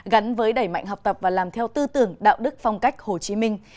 gắn với đẩy mạnh học tập và làm theo tư tưởng đạo đức phong cách hồ chí minh